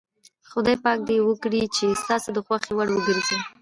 خدای پاک دې وکړي چې ستاسو د خوښې وړ وګرځي.